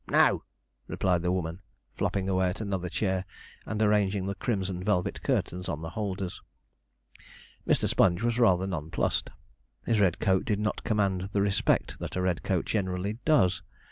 'No,' replied the woman, flopping away at another chair, and arranging the crimson velvet curtains on the holders. Mr. Sponge was rather nonplussed. His red coat did not command the respect that a red coat generally does.